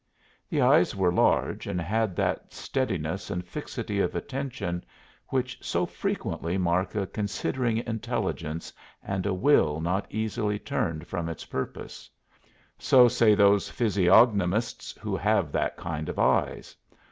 The eyes were large and had that steadiness and fixity of attention which so frequently mark a considering intelligence and a will not easily turned from its purpose so say those physiognomists who have that kind of eyes.